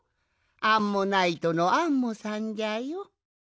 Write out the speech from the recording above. アンモナイトのアンモさんじゃよ。